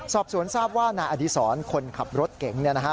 สอบสวนทราบว่านายอดีศรคนขับรถเก๋ง